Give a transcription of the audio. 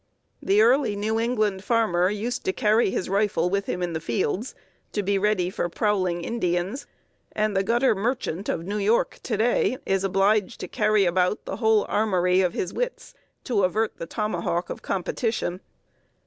The early New England farmer used to carry his rifle with him in the fields, to be ready for prowling Indians, and the gutter merchant of New York to day is obliged to carry about the whole armory of his wits, to avert the tomahawk of competition.